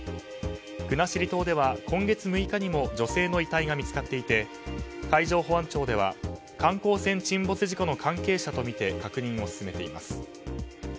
国後島では今月６日にも女性の遺体が見つかっていて海上保安庁では観光船沈没事故の関係者とみて確認を進めています。